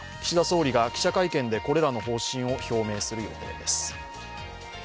岸田総理が記者会見でこれらの方針を表明する予定です。